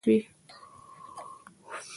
د سړې جګړې په دوران کې پرمختیایي مرستې لوړې شوې.